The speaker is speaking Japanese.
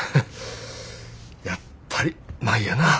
やっぱり舞やなぁ。